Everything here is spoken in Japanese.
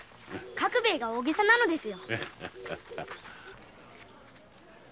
角兵衛が大ゲサなのですよ。